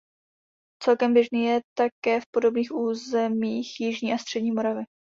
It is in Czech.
Celkem běžný je také v podobných územích jižní a střední Moravy.